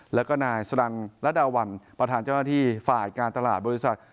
แล้วก็นายสรังรัดดาวันประธานเจ้าหน้าที่ฝ่ายการตลาดบริษัท